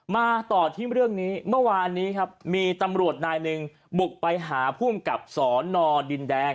มาต่อที่เรื่องนี้เมื่อวานนี้ครับมีตำรวจนายหนึ่งบุกไปหาภูมิกับสอนอดินแดง